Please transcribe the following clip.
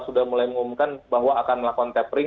sudah mulai mengumumkan bahwa akan melakukan tapering